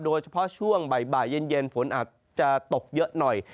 โดยเฉพาะช่วงบ่ายเย็นฝนอาจจะตกเยอะหน่อย